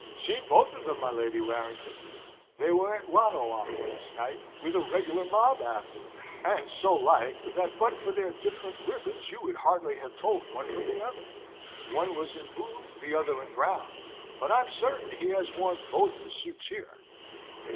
"Seen both of them, my Lady Warrington. They were at Ranelagh last night, with a regular mob after 'em. And so like, that but for their different ribbons you would hardly have told one from the other. One was in blue, the other in brown; but I'm certain he has worn both the suits here."